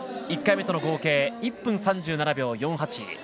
１回目との合計１分３７秒４８。